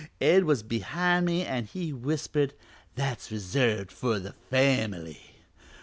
Ed was behind me an' he whispered 'That's reserved for the family.'